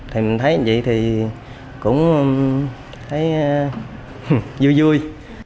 thì mình thấy vậy thì cũng thấy vui vui